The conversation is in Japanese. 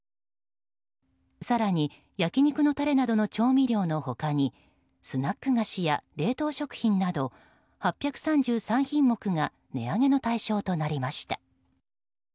更に、焼き肉のタレなどの調味料の他にスナック菓子や冷凍食品など８３３品目が値上げの対象となりました。